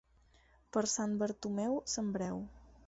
Per Sant Bartomeu, sembreu.